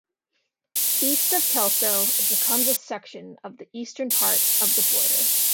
East of Kelso, it becomes a section of the eastern part of the border.